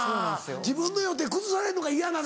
自分の予定崩されるのが嫌なのか。